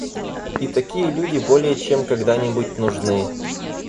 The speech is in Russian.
И такие люди более чем когда-нибудь, нужны.